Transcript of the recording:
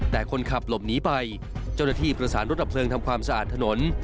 แต่คนขับหลบหนีไปเจ้าหน้าที่ประสานรถดับเพลิงทำความสะอาดถนน